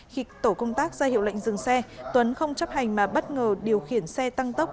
khi tổ công tác ra hiệu lệnh dừng xe tuấn không chấp hành mà bất ngờ điều khiển xe tăng tốc